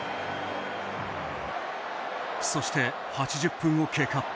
そして８０分を経過。